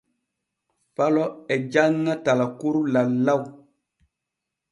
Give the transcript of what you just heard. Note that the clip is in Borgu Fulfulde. Falo e janŋa talkuru lallaw.